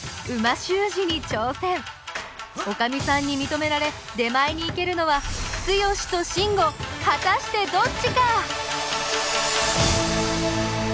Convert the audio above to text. おかみさんにみとめられ出前に行けるのはツヨシとシンゴ果たしてどっちか！？